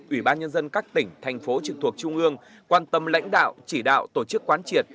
ủy ban nhân dân các tỉnh thành phố trực thuộc trung ương quan tâm lãnh đạo chỉ đạo tổ chức quán triệt